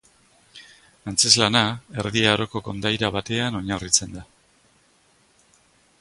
Antzezlana Erdi Aroko kondaira batean oinarritzen da.